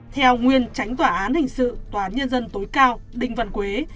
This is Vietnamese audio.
theo nguyên tránh tòa án hình sự tòa án nhân dân tối cao đinh văn quế